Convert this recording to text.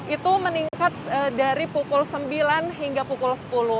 itu meningkat dari pukul sembilan hingga pukul sepuluh